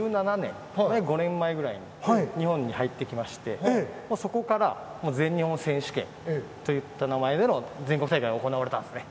２０１７年５年前ぐらいに日本に入ってきましてそこから全日本選手権といった名前での全国大会が行われたんですね